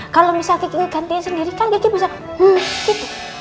kalo misal kiki ngegantiin sendiri kan kiki bisa hmm gitu